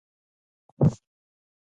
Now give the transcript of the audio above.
میل یوازې د بدن اړتیا نه ښيي.